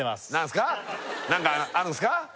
何かあるんすか？